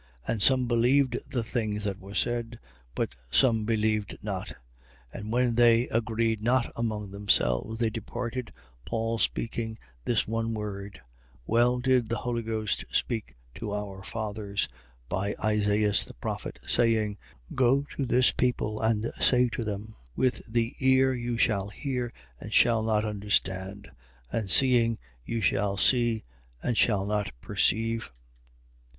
28:24. And some believed the things that were said: but some believed not. 28:25. And when they agreed not among themselves, they departed, Paul speaking this one word: Well did the Holy Ghost speak to our fathers by Isaias the prophet, 28:26. Saying: Go to this people and say to them: With the ear you shall hear and shall not understand: and seeing you shall see and shall not perceive.